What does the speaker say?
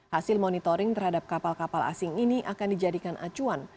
hasil monitoring terhadap kapal kapal asing ini akan dijadikan acuan